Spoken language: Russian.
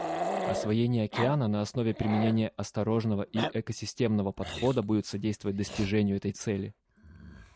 Освоение океана на основе применения осторожного и экосистемного подхода будет содействовать достижению этой цели.